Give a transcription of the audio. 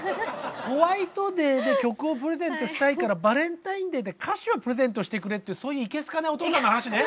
ホワイトデーで曲をプレゼントしたいからバレンタインデーで歌詞をプレゼントしてくれってそういういけ好かないお父さんの話ね。